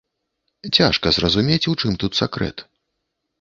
Цяжка зразумець, у чым тут сакрэт.